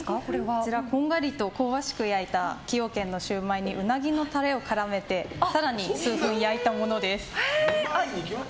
こちら、こんがりと香ばしく焼いた崎陽軒のシウマイにウナギのタレを絡めて更に数分焼いたものです。